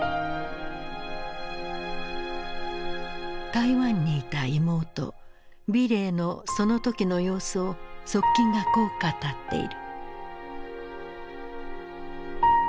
台湾にいた妹美齢のその時の様子を側近がこう語っている。